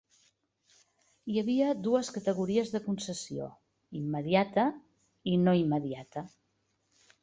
Hi havia dues categories de concessió, immediata i no immediata.